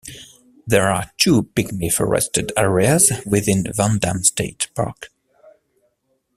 There are two pygmy forested areas within Van Damme State Park.